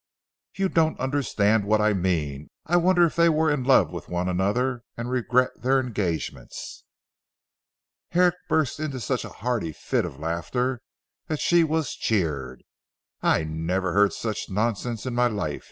"You don't understand what I mean. I wonder if they were in love with one another and regret their engagements." Herrick burst into such a hearty fit of laughter that she was cheered. "I never heard such nonsense in my life!"